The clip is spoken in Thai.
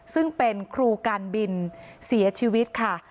ซึ่งเป็นครูการบินเสียชีวิตค่ะ